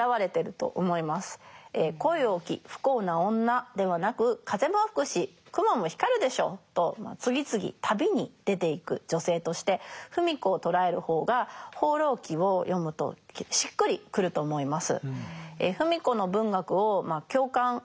「恋多き不幸な女」ではなく「風も吹くし雲も光るでしょ」と次々旅に出ていく女性として芙美子を捉える方が「放浪記」を読むとしっくりくると思います。